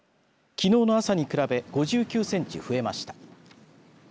きのうの朝に比べ５９センチ増えました。